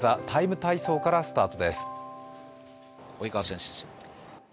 「ＴＨＥＴＩＭＥ，体操」からスタートです。